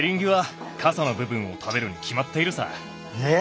えっ？